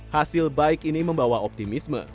hasil baik ini membawa optimisme